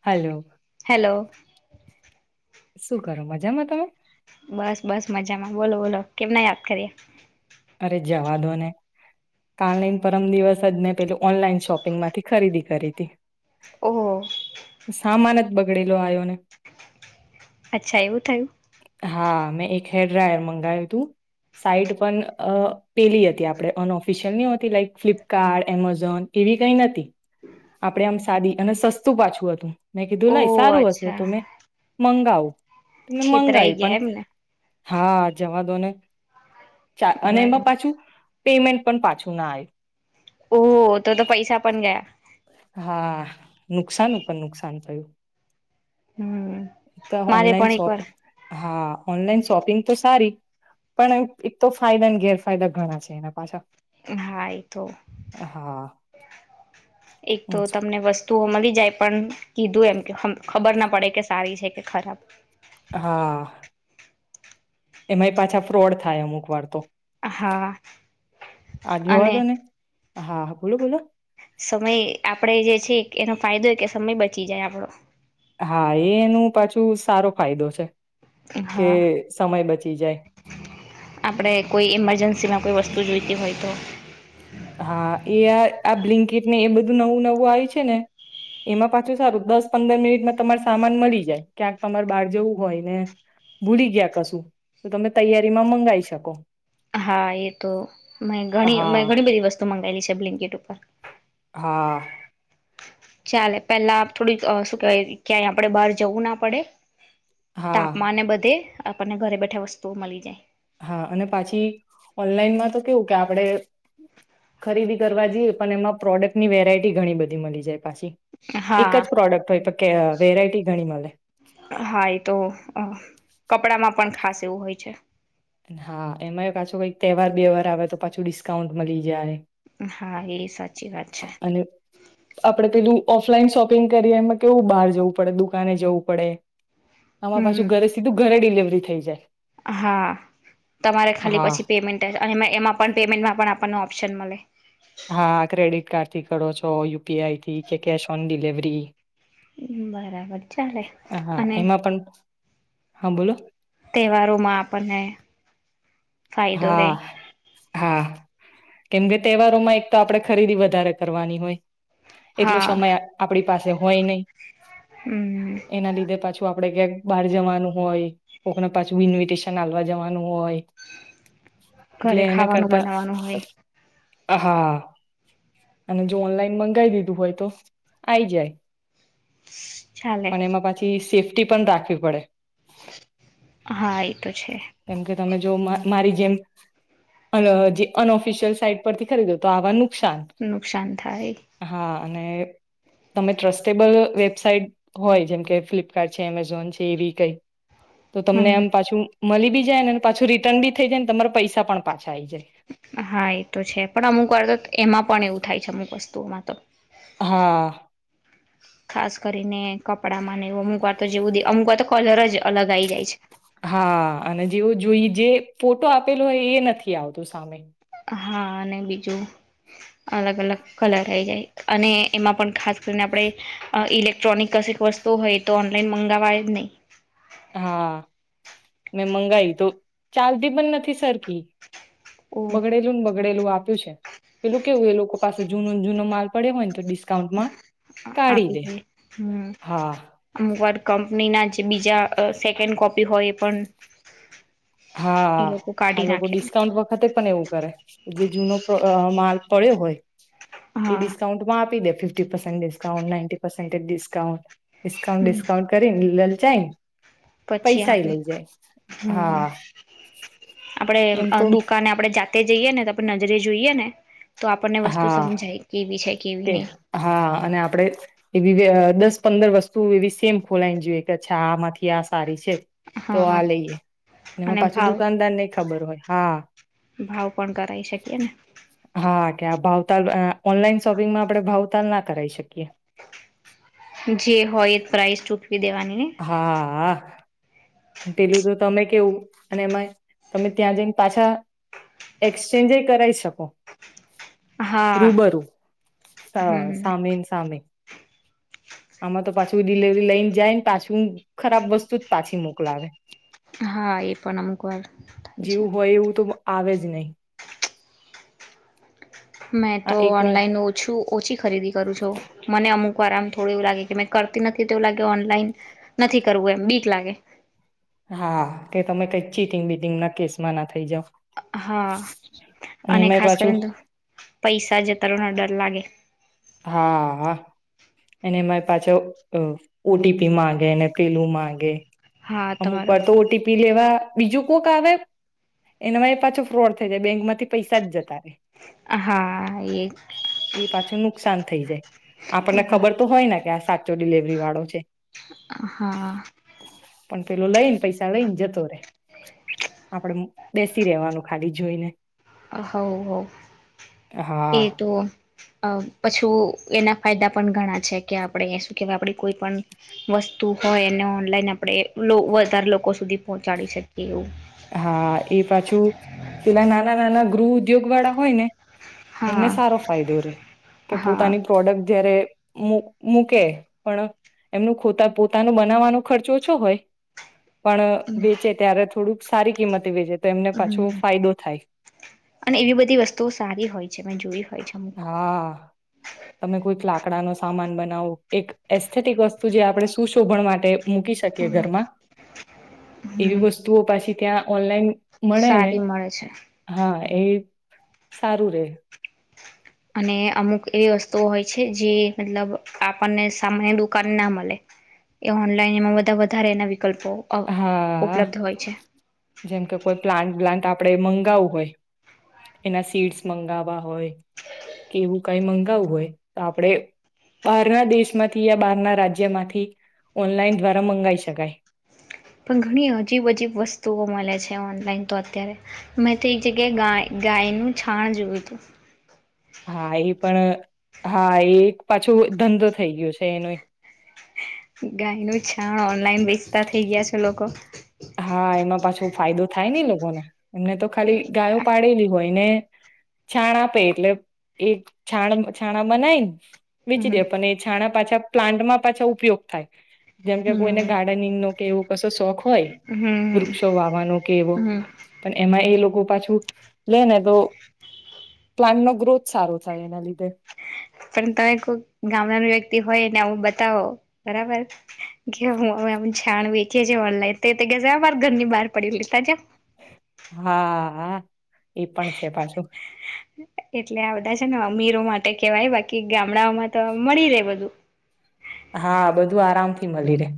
Hello hello શું કરો મજામાં તમે બસ બસ મજામાં બોલો બોલો કેમના યાદ કરીએ અરે જવા દો ને કઈન પરમ દિવસ જ મેં પે ઓનલાઈન શોપિંગ માંથી ખરીદી કરી હતી ઓહો સામાન જ બગડેલો આવ્યો ને અચ્છા એવું થયું હા મેં એક હેર ડ્રાયર મંગાવ્યું હતું સાઈડ પણ અ પેલી હતી આપણે અનઓફિશિયલ નતી લાઈક ફ્લિપકાર્ટ એમેઝોન એવી કઈ ન આપડણે આમ સાદી અને સસ્તું પાછું હતું મેં કીધું લઇ ઓહ સારું હશે અચ્છા તોમે મંગાવ ં છેતરાઈ મંગાવી પણ ગયા એમને હા જવા દો ને ચા અને બરાબર એમાં પાછું પેમેન્ટ પણ પાછું નાાય ઓહ તો તો પૈસા પણ ગયા હા નુકસાન ઉપર નુકસાન થયું હમ મારે ઓનલાઈન પણ એક વાર શોપિ હા ઓનલાઈન શોપિંગ તો સારી પણ એક તો ફાયદાને ગેરફાયદા ઘણા છે એના પાછા હા એ તો હા એક તો તમને વસ્તુ તું મળી જાય પણ કીધું એમ કે ખબર ના પડે કે સારી છે કે ખરાબ હા એમાંય પાછા ફ્રોડ થાય અમુક વાર તો હા અને હાા બોલો બોલો સમય આપડે જે છે એનો ફાયદોય કે સમય બચી જાય આપડો હા એનું પાછું સારો ફાયદો છે કે હા સમય બચી જાય આપડે કોઈ ઇમરજન્સીમાં કોઈ વસ્તુ જોઈતી હોય તો હા એ આ આ બ્લિંકેટને એ બધું નવું નવું આવે છે ને એમાં પાછું સારું દસ પંદર મિનિટમાં તમાર સામાન મળી જાય ક્યાંક તમારે બહાર જવું હોય ને ભૂલી ગયા કશું તો તમે તૈયારીમાં મંગી શકો હા એ તો મે ગણી હા ઘણી બધી વસ્તુ મંગાવેલી છે બ્લેન્કેટ ઉપર હા ચાલે પેલા થોડીક શું કેહેવાય ક્યાંય આપડે બહાર જવું ના પડે હા તાપમાનને બધે આપણને ઘરે બેઠા વસ્તુઓ મળી જાય હા અને પાછી ઓનલાઈનમાં તો કેવું કે આપડે ખરીદી કરવા જઈએ પણ એમાં પ્રોડક્ટ ની વેરાયટી ઘણી બધી મળી જાય એક હા જ પ્રોડક્ટય વેરાય મળ હા એ તો કપડામાં પણ ખાસ એવું હોય છે હા એમાં પાછો કઈક તહેવાર બેવાર આવે તો પાછું ડિસ્કાઉન્ટ મળી જાય હા એ સાચી વાત છે અને આપડે પેલું ઓફલાઈન શોપિંગ કરીએ એમાં કેવું બહાર જવું પડે દુકાને જવું પડે આમા પાછું હમ ઘરે સીધું ઘરે ડડીલેવરી થઈ જાય હા તમારે ખાલી હા પછી પેમેન્ટ અને એમાં પણ પેમેન્ટમાં પણ આપણ આપ ઓપ્શન મળ હા ક્રેડિટ કાર્ડ થી કરો છો યુપીઆઈથી કે કેશ ઓન ડિલવરી બરાબર ચાલે હા અને એમાં પણ હા બોલો તહેવારોમાં આપણને ફાયદો રે હા હા કેમકે તહેવારોમાં એક તો આપડણે ખરીદી વધારે કરવાની હોય એટલો હા સમય આપડી પાસે હોય નહી હમ એના લીધે પાછું આપ આપડે ક્યાંક બહાર જવાનું હોય કોકને પાછું ઇન્વિટેશન હવા જવાનું હોય એટલે ઘરે એના ખાવાનું કરતા બનાવાનું હોય હા અને જો ઓનલાઈન મંગાવ દીધું હોય તો આઈ જાય ચાલે પણ એમાં પછી સેફ ી પણ રાખવી પડે હા એ તો છે જોોમાં મારી જેમ જે અન ઓફિશિયલ સાઈટ પરથી ખરીદો આવવાનું નુકસાન થાય અને તમે ટ્રસ્ટેબલ વેબસાઇટ હોય જેમકે ફ્લિપકાર્ટ છે એમેઝોન છે એવી કઈ તો તમને હમ એમ પાછું મળી બી જાય ને પાછું રિટર્ન બી થઈ જાયને તમારા પૈસા પણ પા હા એ તો છે પણ અમુક વાર તો એમાં પણ એવું થાય છે અમુક વસ્તુ તુંઓ મા તો હા ખાસ કરીને કપડા માં ને એવ અમુક વાર તો જેવું અમુક વા તો કલર જ અલગ આવી જાય છે હા અને જેવો જોઈ જે ફોટો આપેલો હોય એ નથી આવતું સામે હા અને બીજું અલગ અલગ કલર આઈ જાય અને એમાં પણ ખાસ કરીને આપડે અ ઇલેક્ટ્રોનિક કશીક વસ્તુઓ હોય એ તો ઓનલાઈન મંગાવાય જ નહી હા મેં મંગાઈ તો ચાલતી પણ નથી સરખી ઓ બગડેલુંન બ ગડેલું આપ્યું છે પેલું કેવું એ લોકો પાસે જૂનો જૂનો માલ પડયો હોય ને તો ડીસ આપી દે હમ હા અમુકવાર કમ પની ના જે બીજા અ સેકેન્ડ કોપી હોય એ પણ એ હા લોકો આ કાઢી લોકો નાખે ડિસ્કાઉન્ટ વખતે પણ એવું કરે જે જૂનો પ અ માલ પડ્યો હોય એ હા ડિસ્કાઉન્ટ માં આપી દે fifty percent discount nineteen percentage discount discount હમ ડિસ્કાઉન્ટ કરીન જાયન પછી પૈસા ય આપે લઈ જાય હમ હા આપડે એમ તો દુકાને આપે જાતિ જઈએ ને તો આપડે નજરે જોઈએ ને તો આપણને વસ્તુ હા સમજાય કેવી છે કેવી કે નહી હા અને આપડે એવી દસ પંદર વસ્તુ એવી સેમ ખોલાઈને જોઈએ કે અચ્છા આમાંથી આ સારી છે તો આ હા લઈએ અને એમાં પાછું દુકાનદાર ને ય ખબર હોય હા ભાવ પણ કરાવી શકીએ ને હા ભાવતાલ ઓનલાઈન શોપિંગમાં આપડે ભાવતાલ ના કરાવી શકીએ જે હોય એ પ્રાઇઝ ચૂકવી દેવાની ને હા પેલું તો તમે કેવું અને એમાંય તમે ત્યાં જઈન પાછા એક્સચેન્જ એય કરાઈ શકો હા રૂબરૂું હમ સામેન સામે આમાં તો પાછું ડિલવરી લઈને જાય પાછું ખરાબ વસ્તુ જ પાછી મોકલાવે હા એ પણ અમુક વાર થાય છે જેવું હોય એવું તો આવે જ નહીં મેં આ તો એક વાર ઓનલાઈન ઓછું ઓછી ખરીદી કરું છો મને અમુક આરામ થોડું એવું લાગે કે મે કરતી નથી તેવું લાગે ઓનલાઈન નથી કરવું એમ બીક લાગે હા કે તમે કઈક ચીટિંગ બીટિંગ ના કેસમાં ના થઈ જાવ હા અને એમાંય ખાસ પાછું કરીને તો પૈસા જ તરણ ડર અ લાગે હા એને મારી પાછો ઓટીપી મામાંગેને પેલું માગે હા અમુક તમારો વાર તો ફોન ઓટીપી લેવા બીજું કોક આવે એનામાં એ પાછો ફ્રોડ થઈ જાય બેંક માંથી પૈસા જ જતા રે હા એ શાંત થઈ જાય આપણને હા ખબર તો હોય ને કે આ સાચો ડિલવરી વાળો છે પેલો લઈને પૈસા લઈને જતો રે આપડે બેસી રેવાનું ખાલી જોઈ ને હ હો એ હા તો અ પછું એના ફાયદા પણ ઘણા છે કે આપણે શું કેવાય આપડી કોઈ પણ વસ્તુ હોય એને ઓનલાઈન આપણે વધારે લોકો સુધી પહોંચાડી શકીએ એવું હા એ પાછું પેલા નાના નાના ગૃહ ઉદ્યોગ વાળા હોય ને એમને હા સારો ફાયદો રે કે હા પોતાની પ્રોડક્ટ જયારે મૂકે પણ એમનું ખ પોતાનું બનાવવાનો ખર્ચો ઓછો હોય પણ વેચે ત્યારે જ સારી કિમત વજે હમ અને એવી બધી વસ્તુઓ સારી હોય છે મેં જોઈ હોય છે અમુક. હા તમે કોઈક લાકડા ન સામાન બનાવું એક એસ્થેટિક વસ્તુ જે આપણે સુશોભન માટે મૂકી શકીએ ઘરમાં એવી હમ વસ્તુઓ પાછી ત્યાં ઓનલાઈન મળે ને સારી મળે છે. હા એ સારું રે અને અમુક એવી વસ્તુઓ હોય છે જે મતલબ આપણને સામાન્ય દુકાન ના મળે એ ઓનલાઈન એમાં બા વધારે એના વિકલ્પો હા ઉપલબ્ધ હોય છે જેમ કે કોઈ પ્લાન્ટ બ્લાન્ટ આપ આપણે મંગાવું હોય એના સીડસ મંગાવવા હોય કે એવું કઈ મંગાવું હોય તો આપણે બહારના દેશમાંથી યા બહારના રાજ્યમાંથી ઓનલાઈન દ્વારા મંગાવી શકાય પણ ઘણી હજીબ અજીબ વસ્તુઓ મળે છે ઓનલાઈન તો અત્યારે મેં તો એક જગ્યાએ ગાયનું છાણ જોયું હતું હા એ પણ હા એ પાછો ધંધો થઈ ગયો છે એનો ગાય નું છાણ ઓનલાઈન વેચતા થઈ ગયા છે લોકો હા એમાં પાછો ફાયદો થાય ને લોકોને એમને તો ખાલી ગાયો પાડેલી હોયને છાણ આપે એટલે એ છાણ છાણા બનાવીને વેચી દે હમ પણ એ છાણા પાછા પ્લાન્ટમાં પાછા ઉપયોગ થાય જેમકે હમ કોઈને ગાર્ડનિંગ નો કે એવો કશો શોખ હોય હમ વૃક્ષો વાવાનો કે એવો હમ પણ એમાં એ લોકો પાછું લે ને તો પ્લાન્ટ નો ગ્રોથ સારો થાય એના લીધે પણ તમે કોઈ ગામડા વ્યક્તિ હોય ને આવું બતાવો બરાબર કે હું હવે કે છાણ વેચીએ છીએ ઓનલાઈન કે ઘરની બહાર પડી લેતા જાવ હા હા એ પણ છે પાછું એટલે આ બધા છે ને અમીરો માટે કેવાય બાકી ગામડાઓમાં તો મળી રહેે બધું હા બધું આરામ થી મળી રે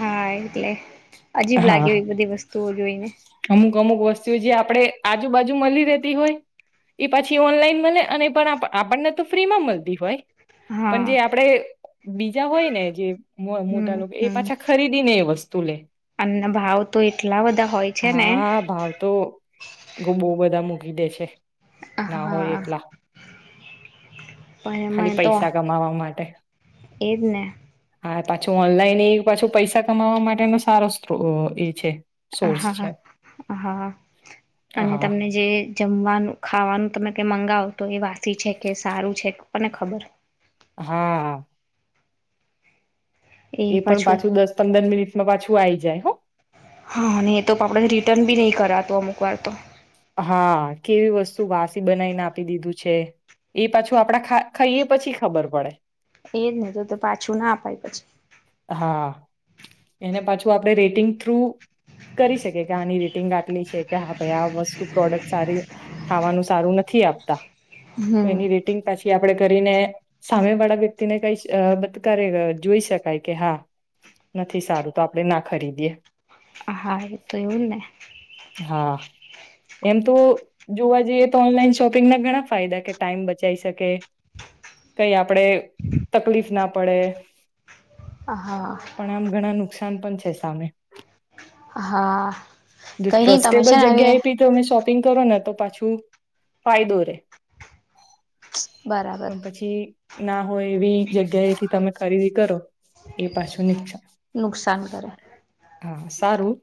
હાય એટલે અજીબ લાગે હા એવી બધી વસ્તુઓ જોઈને અમુક વસ્તુ જે આપણે આજુબાજુ મળી રહેતી હોય એ પાછી ઓનલાઈન મળને અને એ પણ આપણને તો ફ્રી માં મળતી હોય પણ હા જે આપડે બીજા હોય ને જે હોય મોટા હમ લોકો એ પાછા ખરીદીને એ વસ્તુ તુલે અનેના ભાવ તો એટલા બધા હોય છે ને હા ભાવ તો બહુ બધા દે છે ના હોય હા એટલા પણ ખાલી પૈસા કમાવા માટે એદ ને હા પાછું ઓનલાઈન એ પાછું પૈસા કમાવા માટેનો સારો સ્ત્રોત એ છે હા સોર્સ હા છે હા હા અને હા તમને જે જમવાનું ખાવાનું તમે કઈ મંગાવો તો એ વાસી છે કે સારું છે કોને ખબર હા એ પણ પાછું દસ પંદર મિનિટ માં પાછું આવી જાય હો હા નહી એ તો આપણે રિટર્ન બી નહી કરાતું અમુક વાર તો હા કેવી વસ્તુ વાસી બનાવીને આપી દીધું છે એ પાછું આપડા ખાઈએ પછી ખબર પડે એજ નહી તો તો પાછું ના અપાય પછી હા એને પાછું આપણે રેટિંગ થ્રુ કરી શકી કે આની રેટિંગ આટલી છે કે હા ભાઈ આ વસ્તુ પ્રોડક્ટ સારી ખાવાનું સારું નથી આપતા તો હમ એની રેટિંગ પછી આપડે કરીને સામે વાળા વ્યક્તિને કઈશ તત્કારે જોઈ શકાય કે હા નથી સારું તો આપણેે ના ખરીદીએ હ હા એ તો એવું જ ને હા એમ તો જોવા જઈએ તો ઓનલાઈન શોપિંગ ના ઘણા ફાયદા કે ટાઈમ બચાઈ શકે કઈ આપડે તકલીફ ના પડે હા પણ આમ ઘણા નુકસાન [unintelligible] પણ છે સામે હા જો કઈ નઈ તમે છે ટ્રેસ્ટેબલ ને જગ્યા આવી એ થી તો તમે શોપિંગ કરો ને તો પાછું ફાયદો રે બરાબર પણ પછી ના હોય એવી જગ્યાએથી તમે ખરીદી કરો એ પાછું નીછ નુકસાન કરે સારું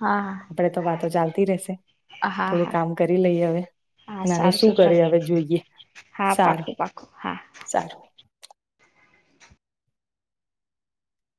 હા આપડે તો વાતો ચાલતી રહેશે હા થોડું હા કામ કરી લઈ હવે હા અને આનું સારું શું કરે ચાલ હવે જોઈએ હા સારું પાકું પાકું હા સારું